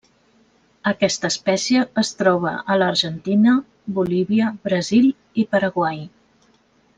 Aquesta espècie es troba a l'Argentina, Bolívia, Brasil i Paraguai.